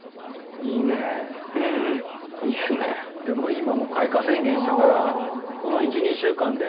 今もう開花宣言したからこの１２週間で。